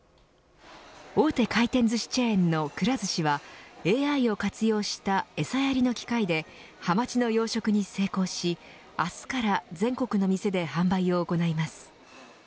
大手回転ずしチェーンのくら寿司はＡＩを活用した餌やりの機械でハマチの養殖に成功し明日から全国の店で販売を行います。